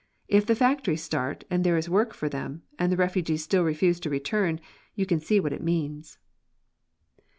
If the factories start, and there is work for them, and the refugees still refuse to return, you can see what it means."